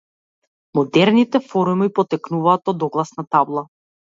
Модерните форуми потекнуваат од огласна табла.